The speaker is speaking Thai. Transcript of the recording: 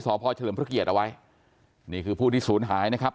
พ่อเฉลิมพระเกียรติเอาไว้นี่คือผู้ที่ศูนย์หายนะครับ